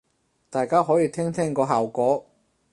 大家可以聽聽個效果